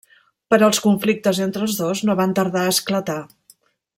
Però els conflictes entre els dos no van tardar a esclatar.